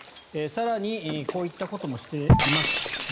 更にこういったこともしています。